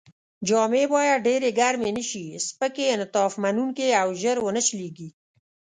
جامې باید ډېرې ګرمې نه شي، سپکې، انعطاف منوونکې او ژر و نه شلېږي.